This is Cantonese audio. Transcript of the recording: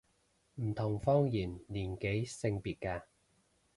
唔同方言年紀性別嘅